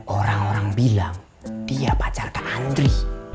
orang orang bilang dia pacar ke andri